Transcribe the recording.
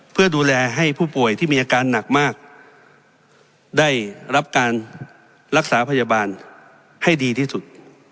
เพื่อดูแลให้ผู้ป่วยที่มีอาการหนักมากได้รับการรักษาพยาบาลให้ดีที่สุด